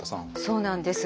そうなんです。